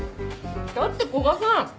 だって古賀さん